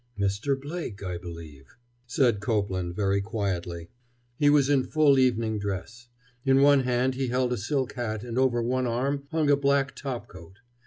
"Mr. Blake, I believe," said Copeland, very quietly. He was in full evening dress. In one hand he held a silk hat and over one arm hung a black top coat.